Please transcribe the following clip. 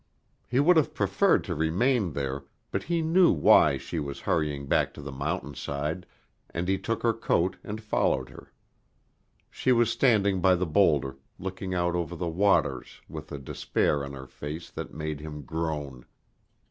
He would have preferred to remain there, but he knew why she was hurrying back to the mountain side, and he took her coat and followed her. She was standing by the boulder, looking out over the waters with a despair on her face that made him groan.